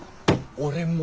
俺も。